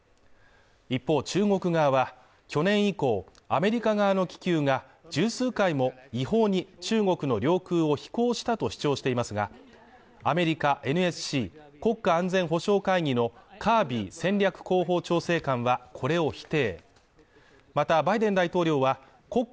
一方中国側は去年以降アメリカ側の気球が十数回も違法に中国の領空を飛行したと主張していますがアメリカＮＳＣ＝国家安全保障会議のカービー戦略広報調整官はこれを否定